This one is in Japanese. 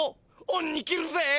おんに着るぜ！